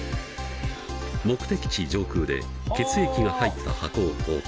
目的地上空で血液が入った箱を投下。